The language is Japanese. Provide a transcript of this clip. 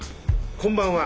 こんばんは。